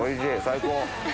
最高！